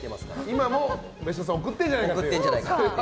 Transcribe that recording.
今も別所さん送ってんじゃないかと。